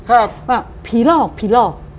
ว่าผีหลอกผีหลอก